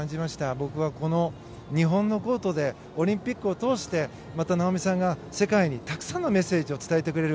僕はこの日本のコートでオリンピックを通してまた、なおみさんが世界にたくさんのメッセージを伝えてくれる。